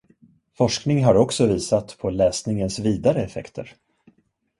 Forskning har också visat på läsningens vidare effekter.